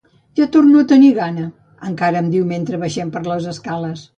Ja torno a tenir gana —encara em diu mentre baixem per les escales.